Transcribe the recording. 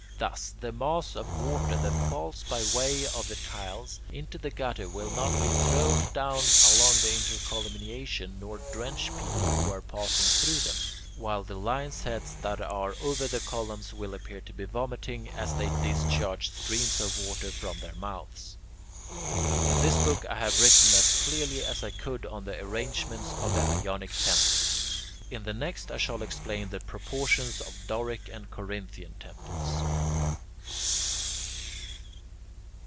Thus the mass of water that falls by way of the tiles into the gutter will not be thrown down along the intercolumniations nor drench people who are passing through them, while the lion's heads that are over the columns will appear to be vomiting as they discharge streams of water from their mouths. In this book I have written as clearly as I could on the arrangements of Ionic temples. In the next I shall explain the proportions of Doric and Corinthian temples.